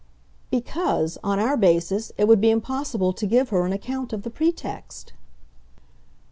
"Because on our basis it would be impossible to give her an account of the pretext."